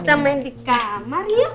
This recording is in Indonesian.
kita main di kamar ya